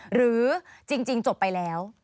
หรือจริงจบไปแล้ว